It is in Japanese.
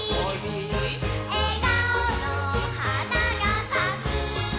「えがおのはながさく」